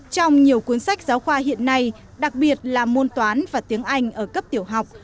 trong nhiều cuốn sách giáo khoa hiện nay đặc biệt là môn toán và tiếng anh ở cấp tiểu học